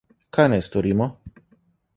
Kaj naj storimo?